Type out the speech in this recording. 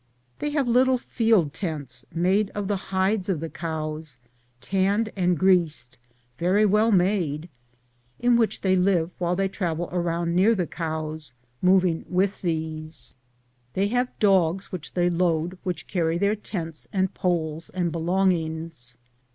They have little field tents 214 wed i,, Google THE JOURNEY OF CORONADO made of the hides of the cows, tanned and greased, very well made, in which they live while they travel around near the cows, moving with these. They have dogs which they laaiCwhich carry their tents and poles and belongings.